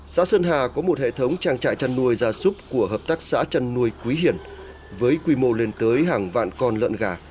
xã sơn hà có một hệ thống trang trại chăn nuôi gia súc của hợp tác xã chăn nuôi quý hiển với quy mô lên tới hàng vạn con lợn gà